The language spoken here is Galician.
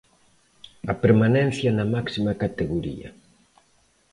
A permanencia na máxima categoría.